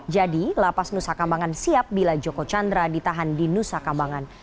jadi lapas nusakambangan siap bila joko chandra ditahan di nusakambangan